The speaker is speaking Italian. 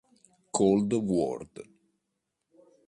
Cold World